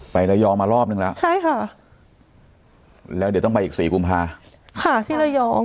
ระยองมารอบนึงแล้วใช่ค่ะแล้วเดี๋ยวต้องไปอีกสี่กุมภาค่ะที่ระยอง